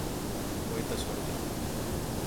Moita sorte.